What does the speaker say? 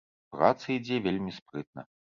Праца ідзе вельмі спрытна.